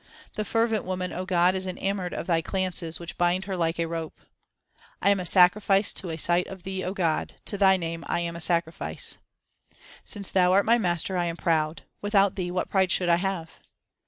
The fervent woman, O God, is enamoured of Thy glances which bind her like a rope. 1 am a sacrifice to a sight of Thee, O God ; to Thy name I am a sacrifice. Since Thou art my Master I am proud ; without Thee what pride should I have